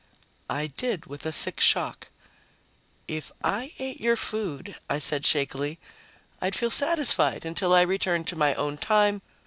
I did, with a sick shock. "If I ate your food," I said shakily, "I'd feel satisfied until I was returned to my own time.